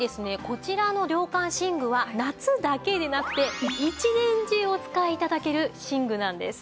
こちらの涼感寝具は夏だけでなくて１年中お使い頂ける寝具なんです。